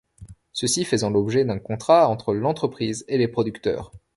Ceux-ci faisait l'objet d'un contrat entre l'entreprise et les producteurs.